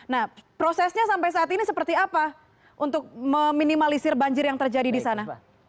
nah prosesnya sampai saat ini seperti apa untuk meminimalisir banjir yang terjadi di sana